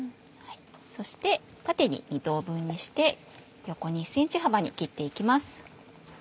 そして縦に２等分にして横に１ｃｍ幅に切って行きます。